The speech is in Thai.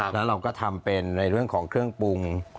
แล้วเราก็ทำเป็นในเรื่องของเครื่องปรุง